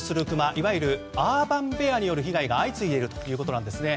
いわゆるアーバンベアによる被害が相次いでいるということです。